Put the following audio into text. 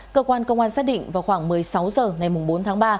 cơ quan công an xác định vào khoảng một mươi sáu h ngày bốn tháng ba